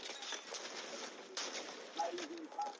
নিজের সঙ্গে জড়িয়ে থাকে এমন সবকিছুকেই ভালোবাসার বন্ধনে জড়িয়ে রাখে সে।